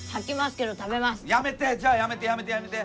じゃあやめてやめてやめて。